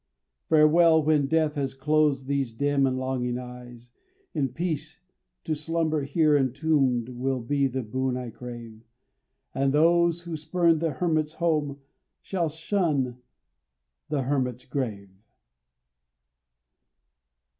farewell! when Death has closed These dim and longing eyes, In peace to slumber here entombed, Will be the boon I crave, And those who spurned The Hermit's home Shall shun The Hermit's grave.